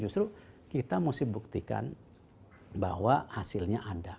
justru kita mesti buktikan bahwa hasilnya ada